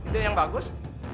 dia yang bagus